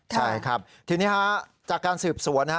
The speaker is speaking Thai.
ใช่ครับทีนี้จากการสืบสวน